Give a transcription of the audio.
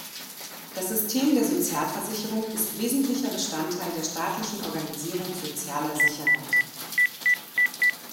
Das System der Sozialversicherung ist wesentlicher Bestandteil der staatlichen Organisierung sozialer Sicherheit.